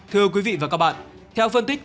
thưa quý vị và các bạn theo phân tích